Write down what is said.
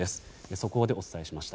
速報でお伝えしました。